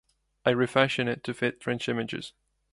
I refashion it to fit French images.